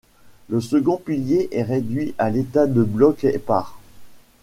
Le second pilier est réduit à l'état de blocs épars.